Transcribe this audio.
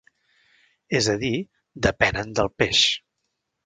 És a dir, depenen del peix.